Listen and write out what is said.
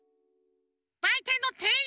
ばいてんのてんいんさん！